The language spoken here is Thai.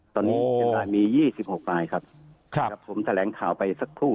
ตอนนี้เกียรติศาสตร์มียี่สิบหกรายครับครับครับผมแสดงข่าวไปสักครู่